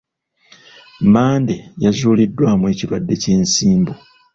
Mmande yazuuliddwamu ekirwadde ky'ensimbu.